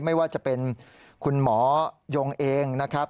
ไม่ว่าจะเป็นคุณหมอยงเองนะครับ